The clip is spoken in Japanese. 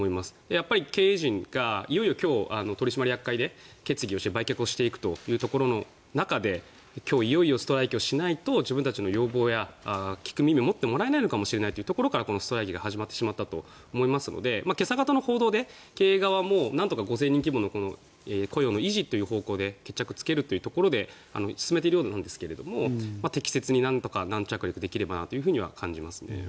やっぱり経営陣がいよいよ今日、取締役会で決議して売却していくところの中で今日いよいよストライキをしないと自分たちの要望や聞く耳を持ってもらえないのかもしれないというところからこのストライキが始まってしまったと思いますので今朝方の報道で経営側もなんとか５０００人規模の雇用維持という方向で決着をつけるというところで進めているようなんですが適切に、なんとか軟着陸できればと感じますね。